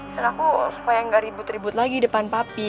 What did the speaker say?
dan aku supaya gak ribut ribut lagi depan papi